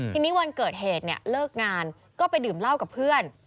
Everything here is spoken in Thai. ทีนี้วันเกิดเหตุเนี่ยเลิกงานก็ไปดื่มเหล้ากับเพื่อน